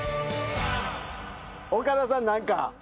岡田さん何か？